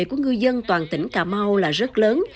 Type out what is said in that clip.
của ngư dân toàn tỉnh cà mau là rất lớn